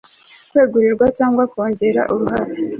kwegurirwa cyangwa kongera uruhare